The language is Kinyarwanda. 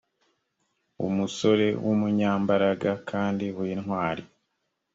umusore w umunyambaraga kandi w intwari